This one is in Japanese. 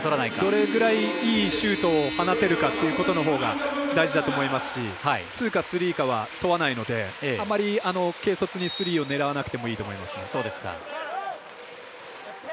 どれぐらい、いいシュートを放てるかというところが大事だと思いますしツーかスリーかは問わないのであまり軽率にスリーを狙わなくてもいいと思います。